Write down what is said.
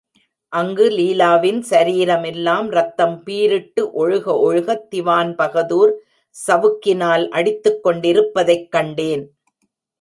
அங்கு லீலாவின் சரீரமெல்லாம் ரத்தம் பீரிட்டு ஒழுக ஒழுகத் திவான்பகதூர் சவுக்கினால் அடித்துக்கொண்டிருப்பதைக் கண்டேன்.